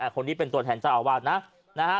คนนี้เป็นตัวแทนเจ้าอาวาสนะนะฮะ